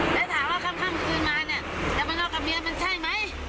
แล้วถามว่าค่ำคืนมาเนี่ยจะไปงอกกับเมียมันใช่ไหม